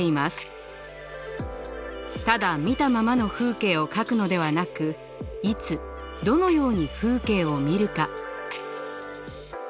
ただ見たままの風景を描くのではなくいつどのように風景を見るか。